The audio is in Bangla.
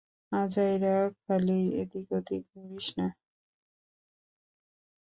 আজাইরা খালি এদিক-সেদিক ঘুরিস না!